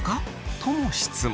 とも質問。